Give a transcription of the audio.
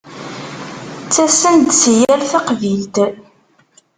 Ttasen-d si yal taqbilt.